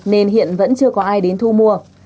nên hiện vẫn chưa có ai đến thu mua